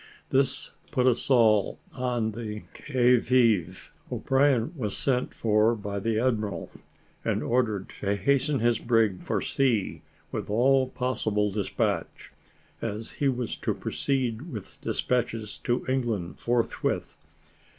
This put us all on the qui vive. O'Brien was sent for by the admiral, and ordered to hasten his brig for sea with all possible despatch, as he was to proceed with despatches to England forthwith.